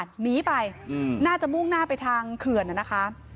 หนีไปน่าจะมุ่งหน้าไปทางเขื่อนนะคะ